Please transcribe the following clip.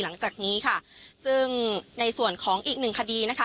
หลังจากนี้ค่ะซึ่งในส่วนของอีกหนึ่งคดีนะคะ